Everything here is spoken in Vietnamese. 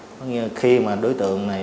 nó nghĩa là khi mà đối tượng này